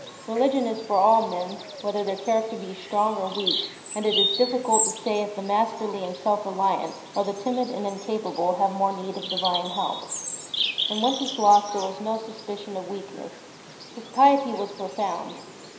Religion is for all men, whether their character be strong or weak, and it is difficult to say if the masterly and self reliant, or the timid and incapable have more need of Divine help. In Wenceslaus there was no sus picion of weakness. His piety was profound.